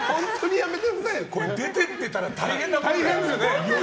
出てってたら大変だったよ。